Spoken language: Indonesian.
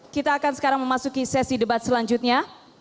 kita akan sekarang memasuki sesi debat selanjutnya